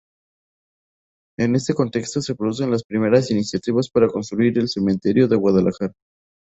En este contexto se producen las primeras iniciativas para construir el cementerio de Guadalajara.